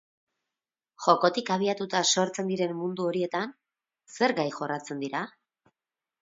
Jokotik abiatuta sortzen diren mundu horietan, zer gai jorratzen dira?